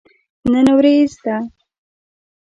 نن وريځ ده